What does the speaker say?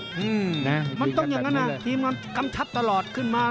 มันต้องอย่างนั้นนะทีมน้ำกำชัดตลอดขึ้นมา